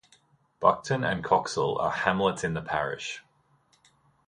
Buckton and Coxall are hamlets in the parish.